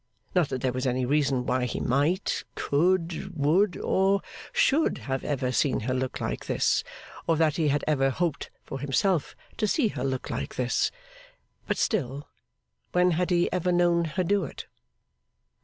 Not that there was any reason why he might, could, would, or should have ever seen her look like this, or that he had ever hoped for himself to see her look like this; but still when had he ever known her do it!